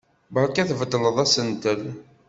Beṛka i tbeddleḍ asentel!